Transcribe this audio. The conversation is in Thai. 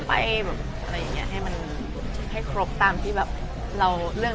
ไปให้ครบตามสิ่งที่เราห่วง